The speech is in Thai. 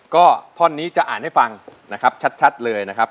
ก็ท่อนนี้จะอ่านให้ฟังนะครับชัดเลยนะครับ